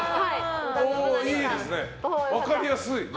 いいですね、分かりやすい。